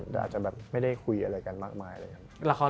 สามปีไม่ได้ทำงานด้วยกันอ่ะ